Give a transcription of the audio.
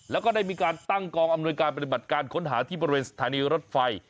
แล้วก็ได้มีการตั้งกองอำนวยการปฏิบัติการค้นหาที่บริเวณสถานีรถไฟ